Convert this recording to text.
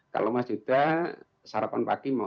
kalau mas yuda sarapan pagi mau